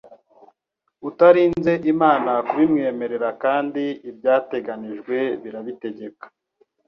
utarinze Imana kubimwemerera kandi ibyateganijwe birabitegeka